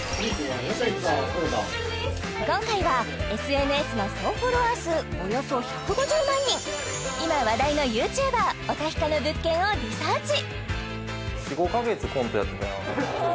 今回はＳＮＳの総フォロワー数およそ１５０万人今話題のＹｏｕＴｕｂｅｒおたひかの物件をリサーチ